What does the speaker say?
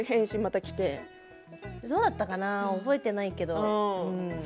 どうだったかな覚えてないけど。